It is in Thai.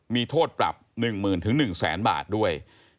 มีโทษปรับ๑๐๐๐๑๐๐๐๐บาทด้วย